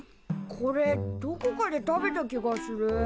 これどこかで食べた気がする。